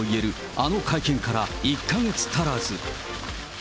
あの会見から１か月足らず。